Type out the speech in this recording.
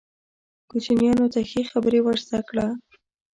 کوچنیانو ته ښې خبرې ور زده کړه.